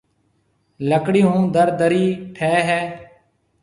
لڪڙِي هون در درِي ٺهيَ هيَ۔